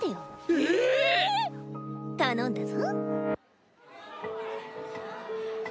ええ⁉頼んだぞ。